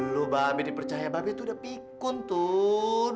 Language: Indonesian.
lu babe dipercaya babe itu udah pikun tuh